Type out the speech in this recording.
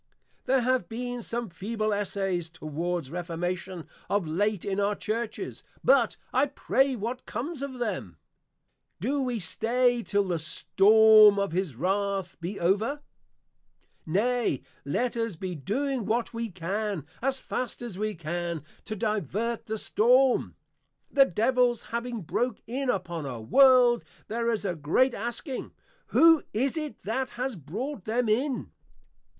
_ There have been some feeble Essays towards Reformation of late in our Churches; but, I pray what comes of them? Do we stay till the Storm of his Wrath be over? Nay, let us be doing what we can, as fast as we can, to divert the Storm. The Devils having broke in upon our World, there is great asking, _Who is it that has brought them in?